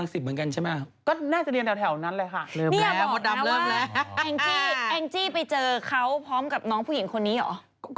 แองจี้แองจี้ไปเจอเขาพร้อมกับน้องผู้หญิงคนนี้เหรอ